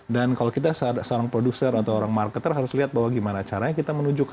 dan kalau kita seorang produser atau seorang marketer harus lihat bahwa gimana caranya kita menunjukkan